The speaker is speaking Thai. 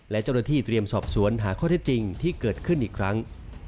และเจ้าหน้าที่เตรียมสอบสวนหาข้อเท็จจริงที่เกิดขึ้นอีกครั้ง